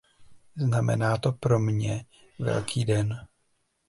Znamená to pro mě velký den.